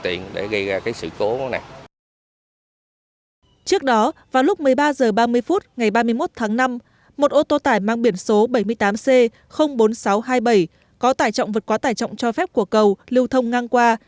trước đó vào lúc một mươi ba h ba mươi phút ngày ba mươi một tháng năm một ô tô tải mang biển số bảy mươi tám c bốn nghìn sáu trăm hai mươi bảy có tải trọng vật quá tải trọng cho phép của cầu lưu thông ngang qua